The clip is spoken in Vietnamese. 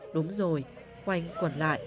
đúng rồi quanh quần lại